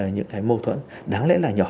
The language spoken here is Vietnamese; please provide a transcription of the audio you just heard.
những cái mâu thuẫn đáng lẽ là nhỏ